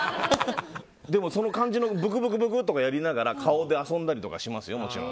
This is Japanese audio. でもその感じのブクブクとかやりながらもちろん顔で遊んだりとかしますよ。